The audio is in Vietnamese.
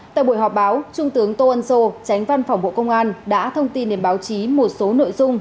tại buổi họp báo trung tướng tô ân sô tránh văn phòng bộ công an đã thông tin đến báo chí một số nội dung